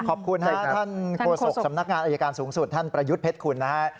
ขอบคุณท่านโฆษกสำนักงานอายการสูงสุดท่านประยุทธ์เพชรคุณนะฮะ